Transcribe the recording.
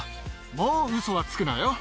もうウソはつくなよ。